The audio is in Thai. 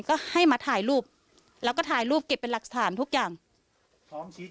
ก็ให้มาถ่ายรูปแล้วก็ถ่ายรูปเก็บเป็นหลักฐานทุกอย่าง